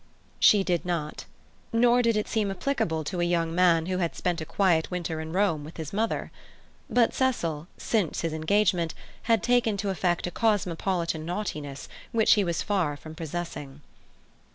She did not. Nor did it seem applicable to a young man who had spent a quiet winter in Rome with his mother. But Cecil, since his engagement, had taken to affect a cosmopolitan naughtiness which he was far from possessing.